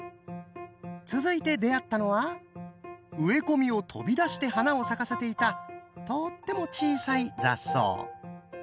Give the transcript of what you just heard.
続いて出会ったのは植え込みを飛び出して花を咲かせていたとっても小さい雑草！